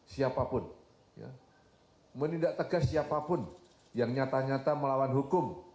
siapapun menindak tegas siapapun yang nyata nyata melawan hukum